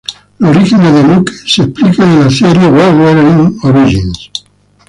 Los orígenes de Nuke se explican en la serie "Wolverine: Origins".